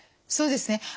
そうですね。